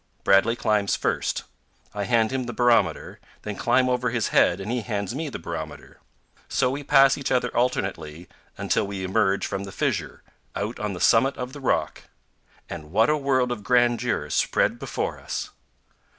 Bradley climbs first; I hand him the barometer, then climb over his head and he hands me the barometer. So we pass each other alternately until we emerge from the fissure, out on the summit of the rock. And what a world of grandeur is spread before us!